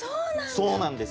そうなんです。